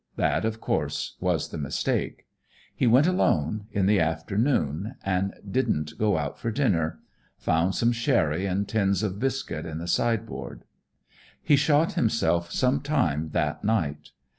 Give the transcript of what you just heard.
That, of course, was the mistake. He went alone, in the afternoon, and didn't go out for dinner found some sherry and tins of biscuit in the sideboard. He shot himself sometime that night.